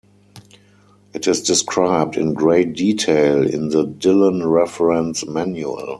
It is described in great detail in the Dylan Reference Manual.